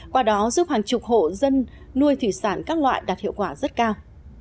qua đó giúp hàng chục hộ dân nuôi thủy sản các loại đạt hiệu quả rất cao